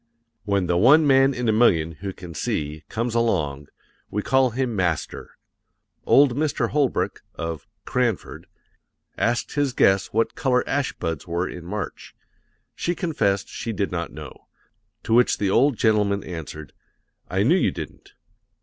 When the one man in a million who can see comes along, we call him Master. Old Mr. Holbrook, of "Cranford," asked his guest what color ash buds were in March; she confessed she did not know, to which the old gentleman answered: "I knew you didn't.